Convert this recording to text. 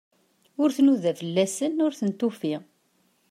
Ur tnuda fell-asen, ur ten-tufi.